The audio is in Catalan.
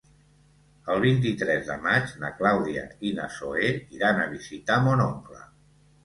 El vint-i-tres de maig na Clàudia i na Zoè iran a visitar mon oncle.